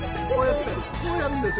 こうやるんですよ。